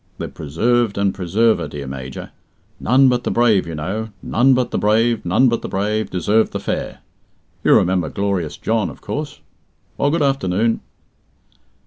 The preserved and preserver, dear Major. 'None but the brave, you know, none but the brave, none but the brave, deserve the fair!' You remember glorious John, of course. Well, good afternoon."